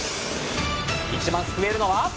一番すくえるのは？